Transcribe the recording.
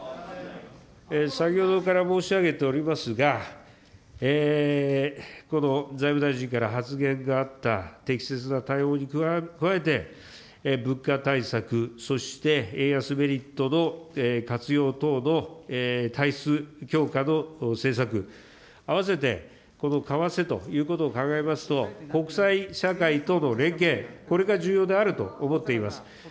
先ほどから申し上げておりますが、この財務大臣から発言があった適切な対応に加えて、物価対策、そして円安メリットの活用等の体質強化の政策、併せてこの為替ということを考えますと、国際社会との連携、これが重要であると思っています。